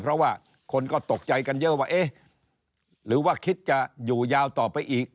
เพราะว่าคนก็ตกใจกันเยอะว่าเอ๊ะหรือว่าคิดจะอยู่ยาวต่อไปอีก